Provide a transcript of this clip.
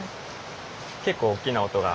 結構大きな音が。